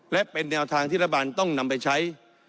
และเป็นแนวทางที่รัฐบาลต้องนำไปใช้